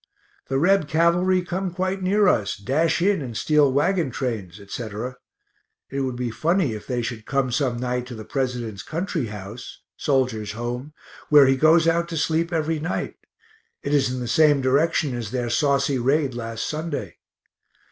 The Reb cavalry come quite near us, dash in and steal wagon trains, etc.; it would be funny if they should come some night to the President's country house (Soldiers' home), where he goes out to sleep every night; it is in the same direction as their saucy raid last Sunday.